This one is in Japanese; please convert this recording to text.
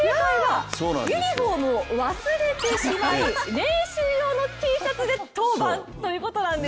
ユニフォームを忘れてしまい練習用のＴシャツで登板ということなんです。